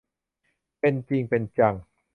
เป็นจริงเป็นจัง